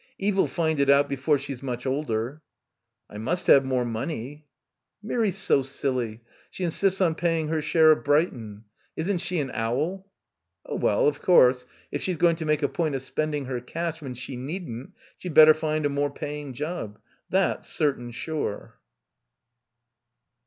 Eve' 11 find it out before she's much older." "I must have more money." "Mirry's so silly. She insists on paying her share of Brighton. Isn't she an owl?" "Oh well, of course, if she's going to make a point of spending her cash when she needn't she'd better find a more paying job. That's certain sure."